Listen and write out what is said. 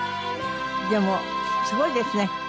でもすごいですね。